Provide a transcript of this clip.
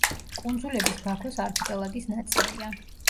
კუნძულების ბაქოს არქიპელაგის ნაწილია.